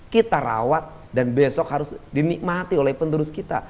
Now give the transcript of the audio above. kita rawat dan besok harus dinikmati oleh penerus kita